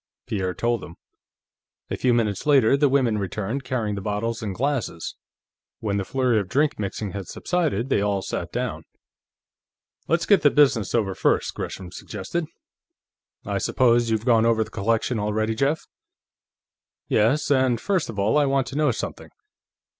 Pierre told him. A few minutes later the women returned, carrying bottles and glasses; when the flurry of drink mixing had subsided, they all sat down. "Let's get the business over first," Gresham suggested. "I suppose you've gone over the collection already, Jeff?" "Yes, and first of all, I want to know something.